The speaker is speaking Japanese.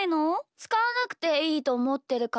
つかわなくていいとおもってるからだよ。